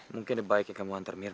mungkin lebih baik kamu hantar minwa